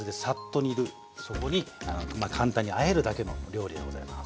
そこに簡単にあえるだけの料理でございます。